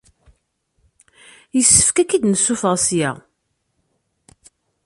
Yessefk ad k-id-nessuffeɣ ssya.